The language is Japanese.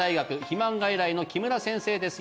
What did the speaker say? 肥満外来の木村先生です